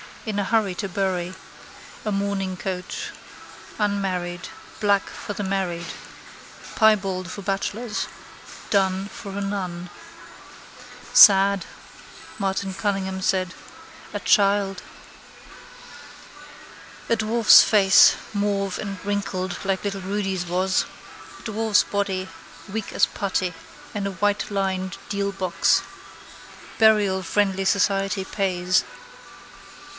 In a hurry to bury. A mourning coach. Unmarried. Black for the married. Piebald for bachelors. Dun for a nun. —Sad, Martin Cunningham said. A child. A dwarf's face, mauve and wrinkled like little Rudy's was. Dwarf's body, weak as putty, in a whitelined deal box. Burial friendly society pays.